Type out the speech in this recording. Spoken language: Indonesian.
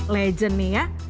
legend nih ya